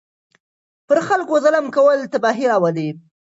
پر خلکو ظلم کول تباهي راولي.